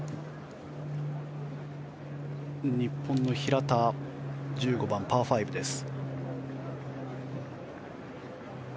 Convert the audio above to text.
日本の平田１５番パー５です。